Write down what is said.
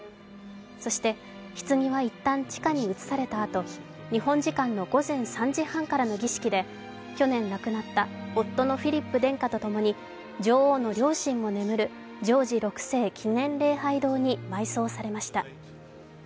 そして、ひつぎは一旦地下に移されたあと、日本時間の午前３時半からの儀式で去年亡くなった夫のフィリップ殿下と共に女王の両親も眠る、ジョージ６世記念礼拝堂に埋葬されました。